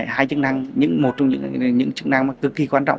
hai chức năng nhưng một trong những chức năng mà cực kỳ quan trọng